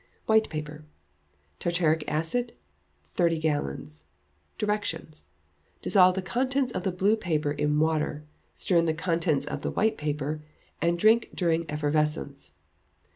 White paper; Tartaric acid, thirty grains. Directions. Dissolve the contents of the blue paper in water; stir in the contents of the white paper, and drink during effervescence.